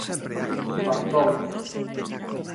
Pantón.